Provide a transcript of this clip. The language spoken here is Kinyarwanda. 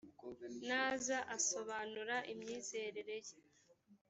naza asobanura imyizerere ye.